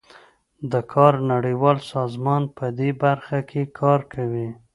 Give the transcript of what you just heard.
د کار نړیوال سازمان پدې برخه کې کار کوي